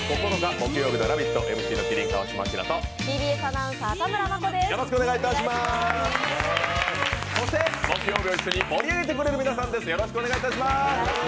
木曜日を一緒に盛り上げてくれる皆さんです。